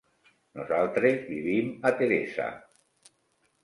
Nosaltres vivim a Teresa.